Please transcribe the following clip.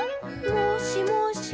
「もしもし？